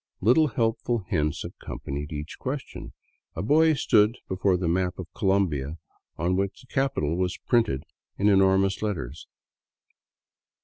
Little helpful hints accompanied each question. A boy stood before the map of Colombia, on which the capital was printed in enormous let ters.